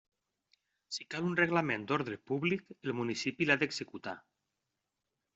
Si cal un reglament d'ordre públic, el municipi l'ha d'executar.